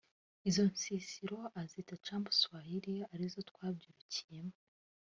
izo nsisiro azita Camp Swahili arizo twabyirukiyemo